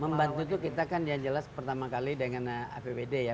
membantu itu kita kan yang jelas pertama kali dengan apbd ya